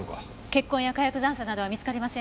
血痕や火薬残渣などは見つかりませんでした。